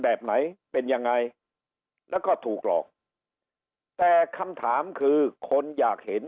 แบบไหนเป็นยังไงแล้วก็ถูกหลอกแต่คำถามคือคนอยากเห็น